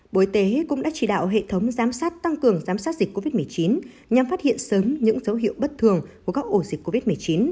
bộ y tế cũng đã chỉ đạo hệ thống giám sát tăng cường giám sát dịch covid một mươi chín nhằm phát hiện sớm những dấu hiệu bất thường của các ổ dịch covid một mươi chín